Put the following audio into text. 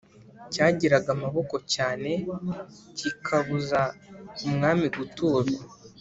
Cyagiraga amaboko cyane, kikabuza umwami guturwa